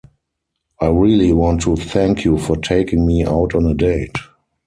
I really want to thank you for taking me out on a date.